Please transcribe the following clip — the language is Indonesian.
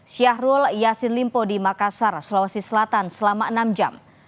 syahrul yassin limpo di makassar sulawesi selatan selama enam jam